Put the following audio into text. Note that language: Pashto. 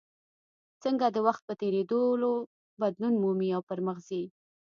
څنګه د وخت په تېرېدو بدلون مومي او پرمخ ځي.